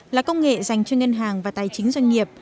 là công nghệ dành cho ngân hàng và tài chính doanh nghiệp